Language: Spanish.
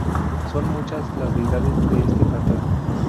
Son muchas las deidades de este panteón.